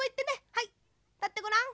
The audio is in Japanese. はいたってごらん。